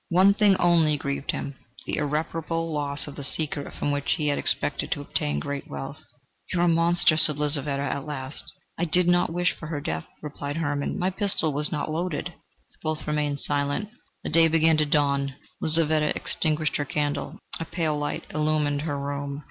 One thing only grieved him: the irreparable loss of the secret from which he had expected to obtain great wealth. "You are a monster!" said Lizaveta at last. "I did not wish for her death," replied Hermann: "my pistol was not loaded." Both remained silent. The day began to dawn. Lizaveta extinguished her candle: a pale light illumined her room.